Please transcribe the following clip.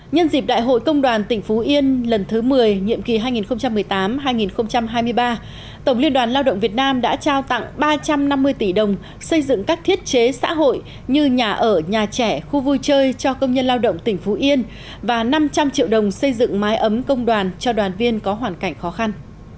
nhân dịp đại hội công đoàn tỉnh phú yên lần thứ một mươi nhiệm kỳ hai nghìn một mươi tám hai nghìn hai mươi ba tổng liên đoàn lao động việt nam đã trao tặng ba trăm năm mươi tỷ đồng xây dựng các thiết chế xã hội như nhà ở nhà trẻ khu vui chơi cho công nhân lao động tỉnh phú yên và năm trăm linh triệu đồng xây dựng mái ấm công đoàn cho đoàn viên có hoàn cảnh khó khăn